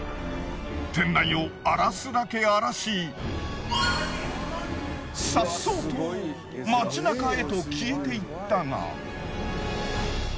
店内を荒らすだけ荒らしさっそうと街なかへと消えていったが。